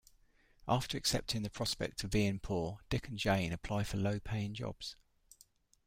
After accepting the prospect of being poor, Dick and Jane apply for low-paying jobs.